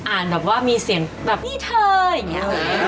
แบบว่ามีเสียงแบบนี่เธออย่างนี้